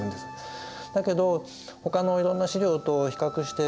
だけどほかのいろんな資料と比較して比べる